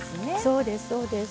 そうですそうです。